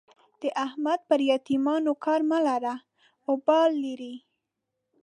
د احمد پر يتيمانو کار مه لره؛ اوبال لري.